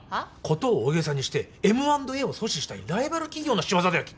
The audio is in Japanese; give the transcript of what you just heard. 事を大げさにしてＭ＆Ａを阻止したいライバル企業の仕業だよきっと。